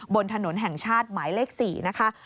บนถนนแห่งชาติหมายเลข๔นะคะ